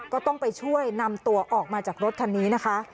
ก็ต้องไปช่วยนำตัวออกมาจากรถคันนี้นะคะ